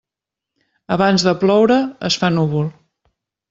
Abans de ploure, es fa núvol.